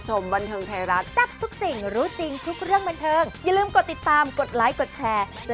โอ้เนี่ยเล็กเบิ้ลด้วยแปลกชมค่ะ